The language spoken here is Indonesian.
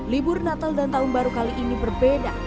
libur natal dan tahun baru kali ini berbeda